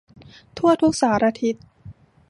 ทั่วทุกสารทิศ